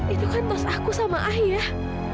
itu kan tos aku sama ayah